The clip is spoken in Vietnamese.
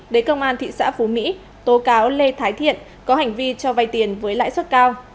đế công an thị xã phú mỹ tố cáo lê thái thiện có hành vi cho vay tiền với lãi suất cao